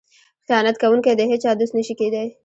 خیانت کوونکی د هیچا دوست نشي کیدی.